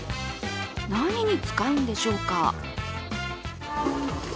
何に使うんでしょうか。